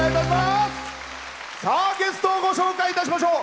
ゲストをご紹介いたしましょう。